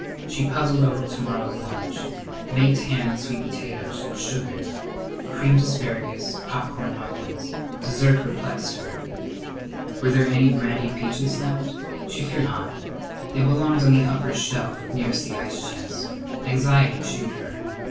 She puzzled over to morrow's lunch. Baked ham and sweet potatoes, sugared; creamed asparagus; hot corn muffins. Dessert perplexed her. Were there any brandied peaches left? She feared not. They belonged on the upper shelf nearest the ice chest. Anxiety chewed her. Mrs.